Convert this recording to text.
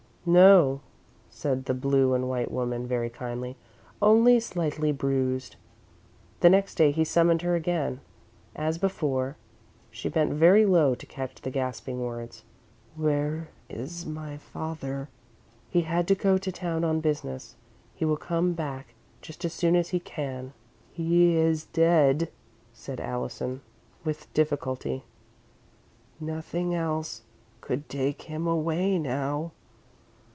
"No," said the blue and white woman, very kindly. "Only slightly bruised." The next day he summoned her again. As before, she bent very low to catch the gasping words: "Where is my father?" "He had to go to town on business. He will come back just as soon as he can." "He is dead," said Allison, with difficulty. "Nothing else could take him away now."